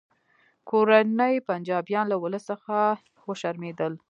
کورني پنجابیان له ولس څخه وشرمیدل